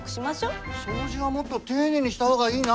掃除はもっと丁寧にした方がいいな！